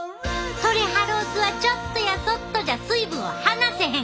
トレハロースはちょっとやそっとじゃ水分を離せへん。